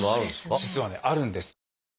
実はねあるんです。